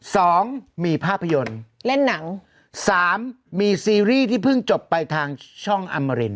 สองมีภาพยนตร์เล่นหนังสามมีซีรีส์ที่เพิ่งจบไปทางช่องอมริน